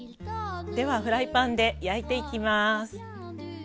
ではフライパンで焼いていきます。